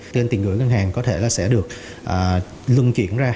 lên tiền gửi ngân hàng có thể sẽ được lưng chuyển